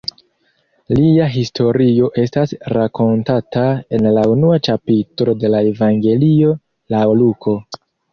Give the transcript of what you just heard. Lia historio estas rakontata en la unua ĉapitro de la Evangelio laŭ Luko.